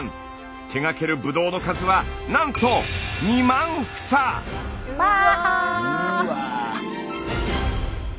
手がけるブドウの数はなんとわあ！